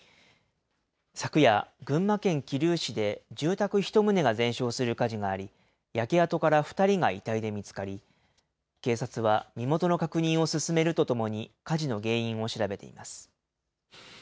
昨夜、群馬県桐生市で、住宅１棟が全焼する火事があり、焼け跡から２人が遺体で見つかり、警察は身元の確認を進めるとともに、火事の原因を調べています。